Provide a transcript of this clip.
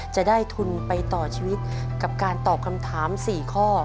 จะได้ทุนไปต่อชีวิตกับการตอบคำถาม๔ข้อ